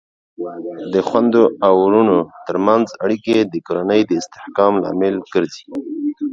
د خویندو او ورونو ترمنځ اړیکې د کورنۍ د استحکام لامل ګرځي.